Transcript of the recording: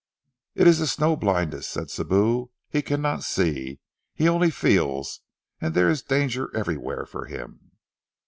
"It is the snow blindness," said Sibou. "He cannot see. He only feels, and there is danger everywhere for him."